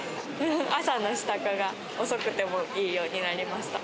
朝の支度が遅くてもいいようになりました。